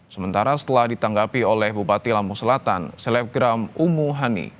sementara setelah ditanggapi oleh bupati lampung selatan selebgram umu hani